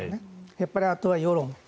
やっぱりあとは世論。